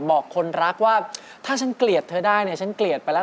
บอกคนรักว่าถ้าฉันเกลียดเธอได้เนี่ยฉันเกลียดไปแล้ว